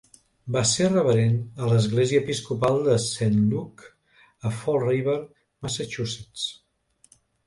Va ser reverend a l'església episcopal de Saint Luke a Fall River, Massachusetts.